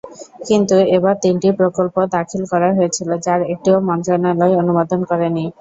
কিন্তু এবার তিনটি প্রকল্প দাখিল করা হয়েছিল, যার একটিও মন্ত্রণালয় অনুমোদন করেনি।